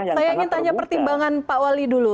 saya ingin bertimbangkan pak wali dulu